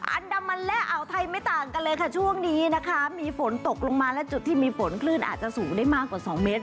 อันดามันและอ่าวไทยไม่ต่างกันเลยค่ะช่วงนี้นะคะมีฝนตกลงมาและจุดที่มีฝนคลื่นอาจจะสูงได้มากกว่า๒เมตร